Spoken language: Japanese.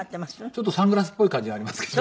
ちょっとサングラスっぽい感じはありますけど。